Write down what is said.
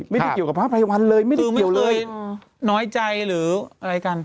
ไม่ได้เกี่ยวกับพระไพรวัลเลยไม่ได้เกี่ยวเลยน้อยใจหรืออะไรกัน